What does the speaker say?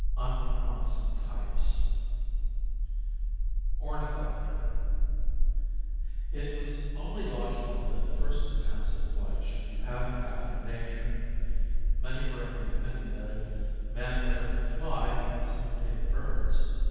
Unpromising Types. Ornithopter. It was only logical that first attempts at flight should be patterned after nature â€" many were of the opinion that if man were ever to fly he must imitate the birds.